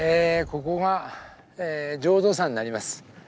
ここが浄土山になります。